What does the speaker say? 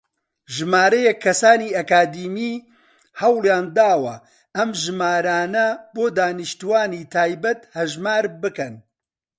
ژمارەیەک کەسانی ئەکادیمی هەوڵیانداوە ئەم ژمارانە بۆ دانیشتووانی تایبەت هەژمار بکەن.